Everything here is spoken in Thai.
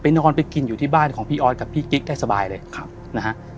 นอนไปกินอยู่ที่บ้านของพี่ออสกับพี่กิ๊กได้สบายเลยครับนะฮะ